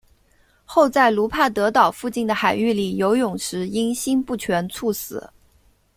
后在卢帕德岛附近的海域里游泳时因心不全猝死。